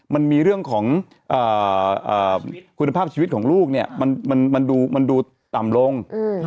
มันมีเรื่องของคุณภาพชีวิตของลูกเนี่ยมันดูต่ำลง